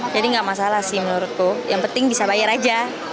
jadi nggak masalah sih menurutku yang penting bisa bayar aja